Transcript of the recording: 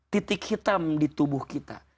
titik hitam di tubuh kita